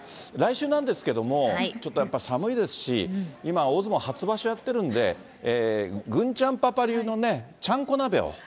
来週なんですけども、ちょっとやっぱ寒いですし、今、大相撲初場所やってるんで、郡ちゃんパパ流のちゃんこ鍋を。